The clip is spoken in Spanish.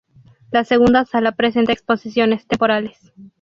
La segunda sala presenta exposiciones temporales.